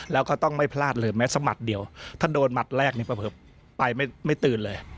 แล้วก็ต้องไม่พลาดเลยแม้สมัครเดียวถ้าโดนหมัดแรกนี่เผลอไปไม่ตื่นเลย